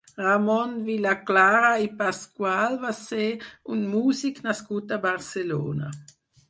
Ramon Vilaclara i Pascual va ser un músic nascut a Barcelona.